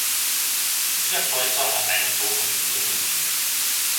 Lisa Kreuzer hat einen Sohn und lebt in München.